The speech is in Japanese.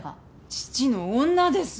父の女です。